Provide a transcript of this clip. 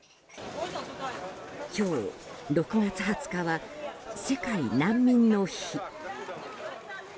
今日、６月２０日は世界難民の日。